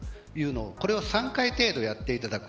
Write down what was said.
これを３回程度やっていただく。